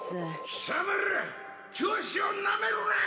貴様ら教師をなめるな！